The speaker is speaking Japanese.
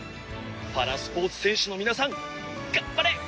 パラスポーツ選手の皆さん頑張れ！